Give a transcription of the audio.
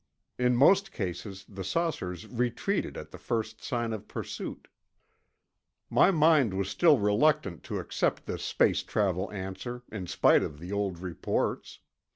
In most cases, the saucers retreated at the first sign of pursuit. My mind was still reluctant to accept the space travel answer, in spite of the old reports.